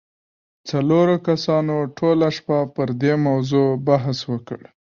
څلورو کسانو ټوله شپه پر دې موضوع بحث وکړ.